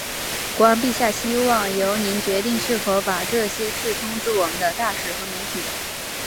国王陛下希望由您决定是否把这些事通知我们的大使和媒体。